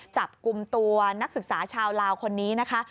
จับกลุ่มตัวนักศึกษาชาวลาวคนนี้นะคะ